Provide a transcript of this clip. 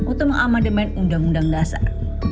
untuk mengamandemen undang undang dasar